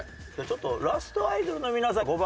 ちょっとラストアイドルの皆さん５番だと思う人。